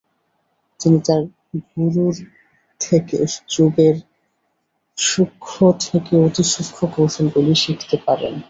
তিনি তাঁর গুরুর থেকে যোগের সূক্ষ্ম থেকে অতিসূক্ষ্ম কৌশলগুলি শিখতে পারেন।